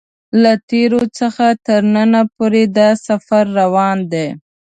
له تېر څخه تر نن پورې دا سفر روان دی.